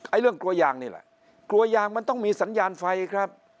เรื่องกลัวยางนี่แหละกลัวยางมันต้องมีสัญญาณไฟครับ